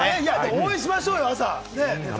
応援しましょうよ、朝！